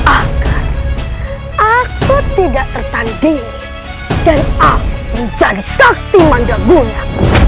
aku akan mencari sakti mandagunya